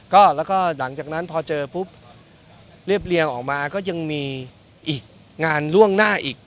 ก็แล้วก็หลังจากนั้นพอเจอปุ๊บเรียบเรียงออกมาก็ยังมีอีกงานล่วงหน้าอีก